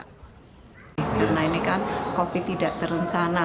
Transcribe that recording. karena ini kan kopi tidak terencana